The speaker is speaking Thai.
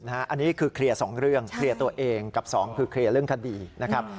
อันนี้คือเคลียร์๒เรื่องเคลียร์ตัวเองกับ๒คือเคลียร์เรื่องคดีนะครับ